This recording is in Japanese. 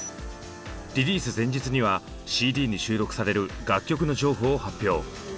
リリース前日にはＣＤに収録される楽曲の情報を発表。